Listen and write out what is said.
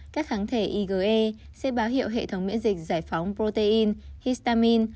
các kháng thể ige sẽ báo hiệu hệ thống miễn dịch giải phóng protein histamin